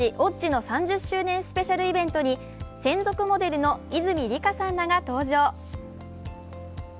「Ｏｇｇｉ」の３０周年スペシャルイベントに専属モデルの泉里香さんらが登場。